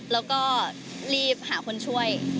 แล้วก็รีบหาคนช่วย